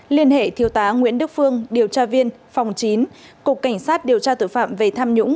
liên hệ thiếu tá nguyễn đức phương điều tra viên phòng chín cục cảnh sát điều tra tội phạm về tham nhũng